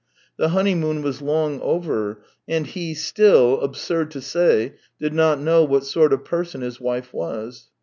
The honeymoon was long over, and he still, absurd to say, did not know what sort of person his wife was.